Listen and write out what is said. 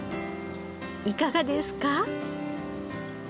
いかがですか？